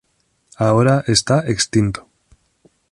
Ahora está extinto.